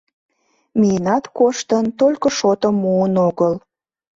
Миенат коштын, только шотым муын огыл.